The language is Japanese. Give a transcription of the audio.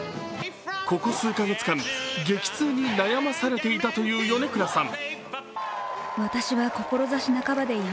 ここ数か月間激痛に悩まされていたという米倉さん。